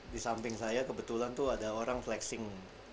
di samping saya kebetulan tuh ada orang flexing